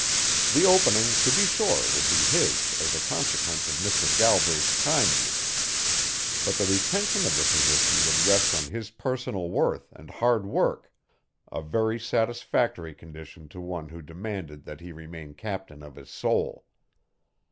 The opening, to be sure, would be his as a consequence of Mr. Galbraith's kindness, but the retention of the position would rest on his personal worth and hard work, a very satisfactory condition to one who demanded that he remain captain of his soul.